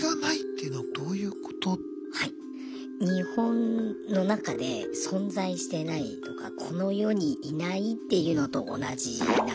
はい日本の中で存在してないとかこの世にいないっていうのと同じなんですね